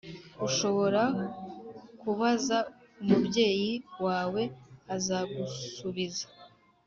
ushobora kubaza umubyeyi wawe, azagusubiza.